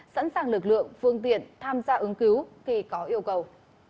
sẵn sàng lực lượng phương tiện tham gia ứng cứu khi có yêu cầu